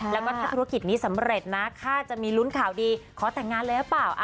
แล้วก็ถ้าธุรกิจนี้สำเร็จนะข้าจะมีลุ้นข่าวดีขอแต่งงานเลยหรือเปล่า